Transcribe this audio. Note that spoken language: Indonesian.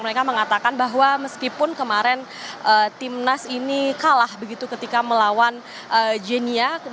mereka mengatakan bahwa meskipun kemarin timnas ini kalah begitu ketika melawan genia